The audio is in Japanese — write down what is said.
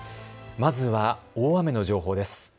まずは大雨の情報です。